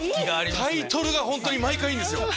タイトルが毎回いいんですよ。